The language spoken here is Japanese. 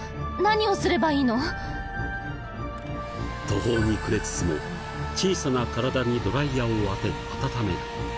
途方に暮れつつも小さな体にドライヤーを当て温める。